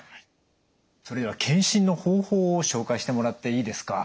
それでは検診の方法を紹介してもらっていいですか？